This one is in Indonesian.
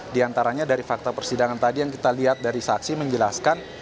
di antaranya dari fakta persidangan tadi yang kita lihat dari saksi menjelaskan